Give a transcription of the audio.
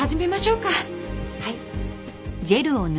はい。